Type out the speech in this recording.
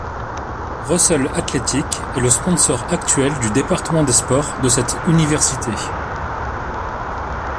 Russell Athletic est le sponsor actuel du département des sports de cette université.